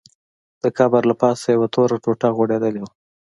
د قبر له پاسه یوه توره ټوټه غوړېدلې وه.